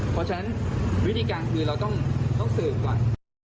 เพราะฉะนั้นวิธีการคือเราต้องสืบก่อน